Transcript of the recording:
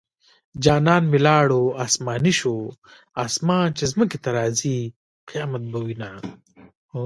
جانان مې لاړو اسماني شو اسمان چې ځمکې ته راځي قيامت به وينه